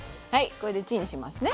これでチンしますね。